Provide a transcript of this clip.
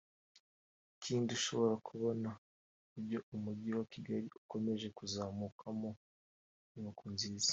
Ikindi ushobora kubona uburyo umujyi wa Kigali ukomeje kuzamukamo inyubako nziza